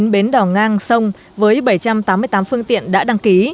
ba mươi chín bến đỏ ngang sông với bảy trăm tám mươi tám phương tiện đã đăng ký